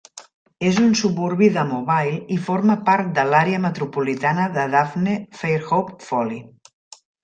És un suburbi de Mobile i forma part de l'àrea metropolitana de Daphne-Fairhope-Foley.